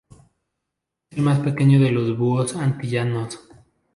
Es el más pequeño de los búhos antillanos.